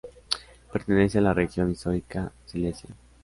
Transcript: Pertenece a la región histórica Silesia.